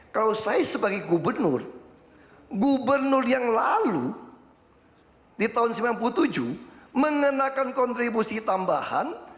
kalau saya sebagai gubernur gubernur yang lalu di tahun seribu sembilan ratus sembilan puluh tujuh mengenakan kontribusi tambahan